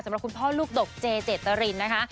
สำหรับคุณพ่อลูกดกเจเจตรินนะคะ